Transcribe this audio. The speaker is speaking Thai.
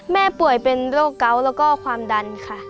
ป่วยเป็นโรคเกาะแล้วก็ความดันค่ะ